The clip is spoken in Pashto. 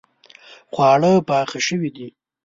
خواړه پاخه شوې دي